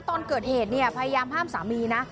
ตอนเกิดเอ็ดพยายามห้ามสามีนะ